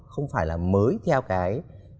không phải là mới theo cái